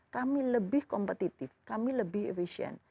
kami lebih kompetitif kami lebih efisien